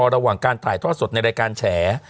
ระหว่างการถ่ายทอดสดในรายการแฉ